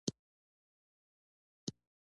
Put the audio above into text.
د افغانستان جغرافیه کې مس ستر اهمیت لري.